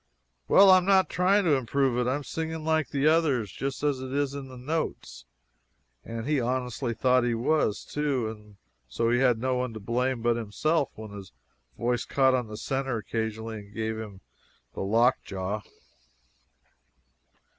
"Why, I'm not trying to improve it and I am singing like the others just as it is in the notes." And he honestly thought he was, too; and so he had no one to blame but himself when his voice caught on the center occasionally and gave him the lockjaw.